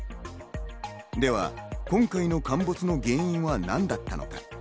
では今回の陥没の原因は何だったのか？